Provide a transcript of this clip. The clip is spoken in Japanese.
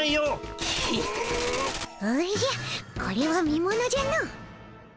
おじゃこれは見ものじゃの。